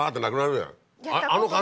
あの感じ。